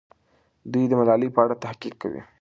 دوی د ملالۍ په اړه تحقیق کوي.